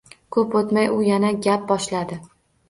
Koʻp oʻtmay u yana gap boshladi.